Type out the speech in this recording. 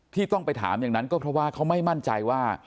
ที่ต้องไปถามอย่างนั้นก็เพราะว่าเขาไม่มั่นใจว่า